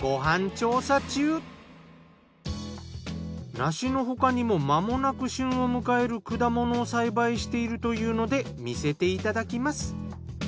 梨の他にもまもなく旬を迎える果物を栽培しているというので見せていただきます。